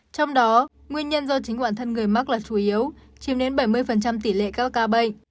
trong đó nguyên nhân do chính bản thân người mắc là chủ yếu chiếm đến bảy mươi tỷ lệ các ca bệnh